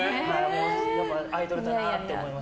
やっぱアイドルだなって思います。